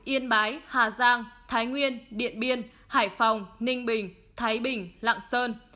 yên bái hà giang thái nguyên điện biên hải phòng ninh bình thái bình lạng sơn